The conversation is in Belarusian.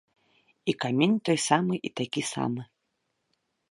І камень той самы і такі самы.